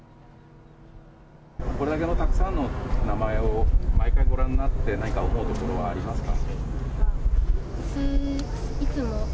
これだけたくさんの名前を毎回ご覧になって何か思うことはありますか？